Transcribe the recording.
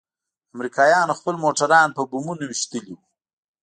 امريکايانوخپل موټران په بمونو ويشتلي وو.